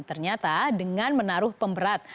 ternyata dengan menaruh pemberat